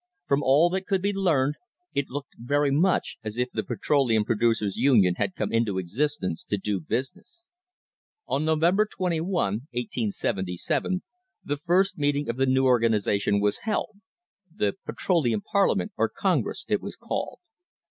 From all that could be learned it looked very much as if the Petro leum Producers' Union had come into existence to do business. On November 21, 1877, the first meeting of the new organisa tion was held, "the Petroleum Parliament" or "Congress" it was called.